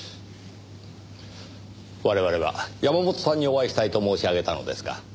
我々は山本さんにお会いしたいと申し上げたのですが。